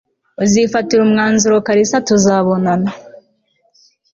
uzifatira umwanzuro karisa tuzabonana